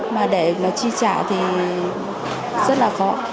mà để nó tri trả thì rất là khó